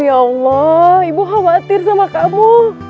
ya allah ibu khawatir sama kamu